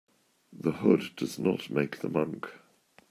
The hood does not make the monk.